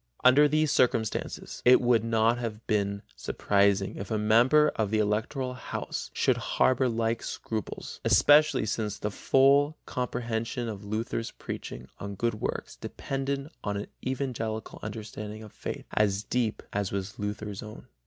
Under these circumstances it would not have been surprising if a member of the Electoral house should harbor like scruples, especially since the full comprehension of Luther's preaching on good works depended on an evangelical understanding of faith, as deep as was Luther's own.